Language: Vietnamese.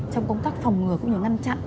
trong công tác phòng ngừa cũng như ngăn chặn